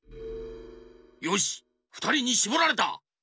よしふたりにしぼられた！